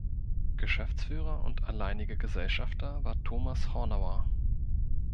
Geschäftsführer und alleiniger Gesellschafter war Thomas Hornauer.